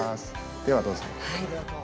では、どうぞ。